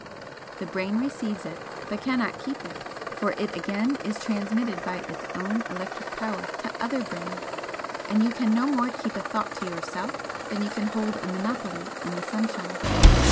The brain receives it, but cannot keep it for it again is transmitted by its own electric power to other brains, and you can no more keep a thought to yourself than you can hold a monopoly in the sunshine.